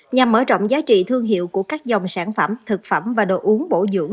nhằm mở rộng giá trị thương hiệu của các dòng sản phẩm thực phẩm và đồ uống bổ dưỡng